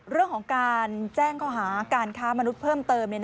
เรื่องของการแจ้งข้อหาการค้ามนุษย์เพิ่มเติม